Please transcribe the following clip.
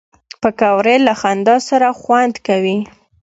پکورې له خندا سره خوند کوي